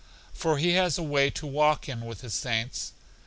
For He has a way to walk in with His saints.